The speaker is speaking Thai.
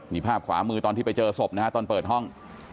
นี่ภาพขวามือตอนที่ไปเจอศพนะฮะตอนเปิดห้อง